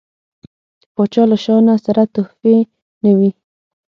د پاچا له شانه سره تحفې نه وي.